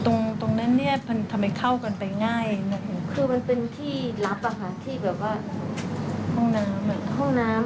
ตรงตรงนั้นเนี้ยมันทำไมเข้ากันไปง่ายนะฮะคือมันเป็นที่ลับอะค่ะที่แบบว่าห้องน้ำ